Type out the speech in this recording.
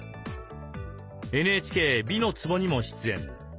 ＮＨＫ「美の壺」にも出演。